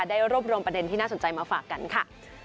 ได้รวบรวมประเด็นที่น่าสนใจมาฝากกันค่ะ